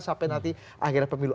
sampai nanti akhirnya pemilu